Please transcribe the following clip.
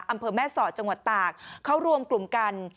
อำเภอแม่สอดจังหวัดตากเขารวมกลุ่มกัน